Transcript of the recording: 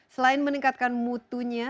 selain meningkatkan mutunya